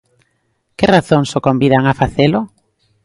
Que razóns o convidan a facelo?